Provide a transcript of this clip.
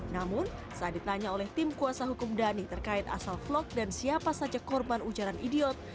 namun saat ditanya oleh tim kuasa hukum dhani terkait asal vlog dan siapa saja korban ujaran idiot